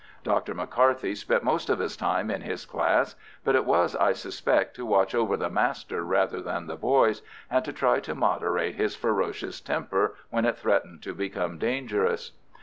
Dr. McCarthy spent most of his time in his class, but it was, I suspect, to watch over the master rather than the boys, and to try to moderate his ferocious temper when it threatened to become dangerous.